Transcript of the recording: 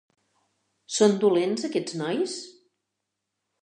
Són dolents aquests nois?